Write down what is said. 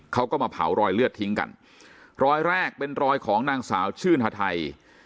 เขาก็มาเผารอยเลือดทิ้งกันรอยแรกเป็นรอยของนางสาวชื่นฮาไทย